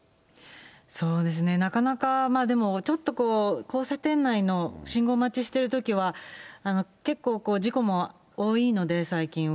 そうですね、なかなか、でもちょっと交差点内の信号待ちしてるときは、結構、事故も多いので、最近は。